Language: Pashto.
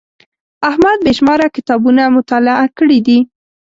احمد بې شماره کتابونه مطالعه کړي دي.